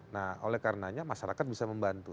nah oleh karenanya masyarakat bisa membantu